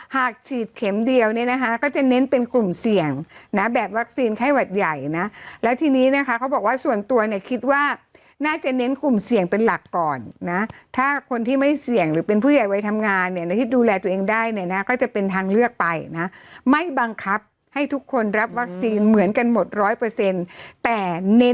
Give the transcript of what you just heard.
หากฉีดเข็มเดียวเนี่ยนะคะก็จะเน้นเป็นกลุ่มเสี่ยงนะแบบวัคซีนไข้หวัดใหญ่นะแล้วทีนี้นะคะเขาบอกว่าส่วนตัวเนี่ยคิดว่าน่าจะเน้นกลุ่มเสี่ยงเป็นหลักก่อนนะถ้าคนที่ไม่เสี่ยงหรือเป็นผู้ใหญ่วัยทำงานเนี่ยนะที่ดูแลตัวเองได้เนี่ยนะก็จะเป็นทางเลือกไปนะไม่บังคับให้ทุกคนรับวัคซีนเหมือนกันหมดร้อยเปอร์เซ็นต์แต่เน้น